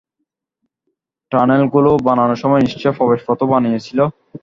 টানেলগুলো বানানোর সময় নিশ্চয়ই প্রবেশপথও বানিয়েছিল।